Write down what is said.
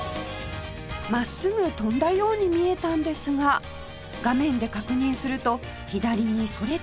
真っすぐ飛んだように見えたんですが画面で確認すると左にそれていたんですね